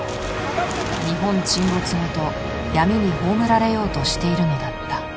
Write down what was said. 日本沈没ごと闇に葬られようとしているのだった